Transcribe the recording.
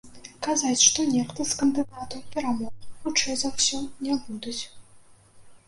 Казаць, што нехта з кандыдатаў перамог, хутчэй за ўсё, не будуць.